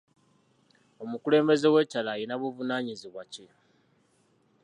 Omukulembeze w'ekyalo alina buvunaanyizibwa ki?